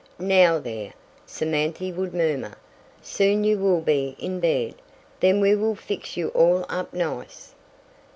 "Now, there," Samanthy would murmur, "soon you will be in bed. Then we will fix you all up nice."